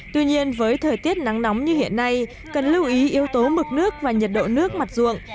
tuy nhiên với thời tiết nắng nóng như hiện nay cần lưu ý yếu tố mực nước và nhiệt độ nước mặt ruộng